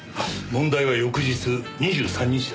問題は翌日２３日だ。